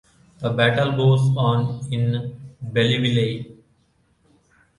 The battle goes on in Belleville.